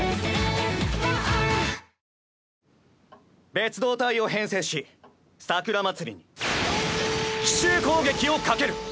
別働隊を編制し桜まつりに奇襲攻撃をかける！